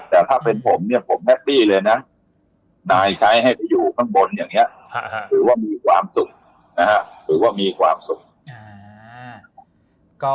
แต่ถ้าเป็นผมผมแฮปปี้เลยนะนายใช้ให้ไปอยู่ข้างบนอย่างนี้ถือว่ามีความสุข